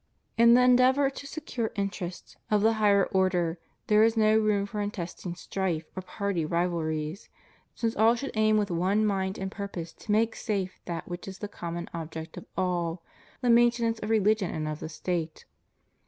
In the endeavor to secure interests of the highest ^Acts XX. 28. 134 CHRISTIAN CONSTITUTION OF STATES. order there is no room for intestine strife or party rivalries; since all should aim with one mind and purpose to make safe that which is the common object of all — the main tenance of Religion and of the State.